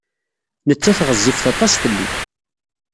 Nettat ɣezzifet aṭas fell-i.